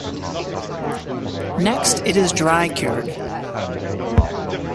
Next it is dry-cured.